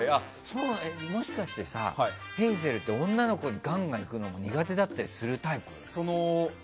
もしかしてさ、ヘイゼルって女の子にガンガンいくの苦手だったりするタイプ？